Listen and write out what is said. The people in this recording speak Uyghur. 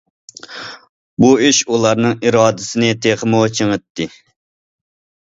بۇ ئىش ئۇلارنىڭ ئىرادىسىنى تېخىمۇ چىڭىتتى.